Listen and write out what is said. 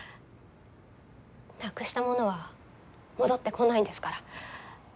なくしたものは戻ってこないんですから。